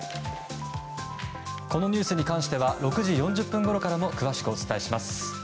このニュースに関しては６時４０分ごろからも詳しくお伝えします。